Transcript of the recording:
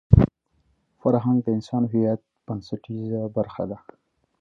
فرهنګ د انسان د هویت بنسټیزه برخه ده.